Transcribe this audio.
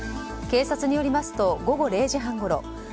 警察によりますと午後０時半ごろ